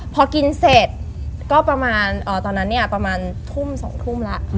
พอกินเสร็จก็ประมาณตอนนั้นเนี่ยประมาณทุ่ม๒ทุ่มแล้ว